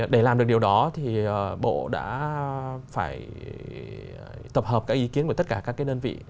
để làm được điều đó thì bộ đã phải tập hợp các ý kiến của tất cả các đơn vị